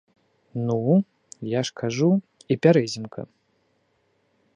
Ну, я ж кажу, і пярэзімка.